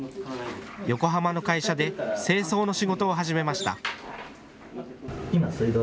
横浜の会社で清掃の仕事を始めました。